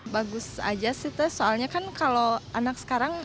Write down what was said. bagus aja sih soalnya kan kalau anak sekarang